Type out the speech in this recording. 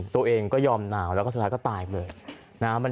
ตัวเองก็ยอมหนาวแล้วก็สุดท้ายก็ตายเลยนะ